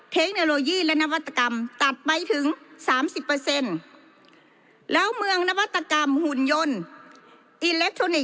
เทคโนโลยีและนวัตกรรมตัดไปถึงสามสิบเปอร์เซ็นต์แล้วเมืองนวัตกรรมหุ่นยนต์อิเล็กทรอนิกส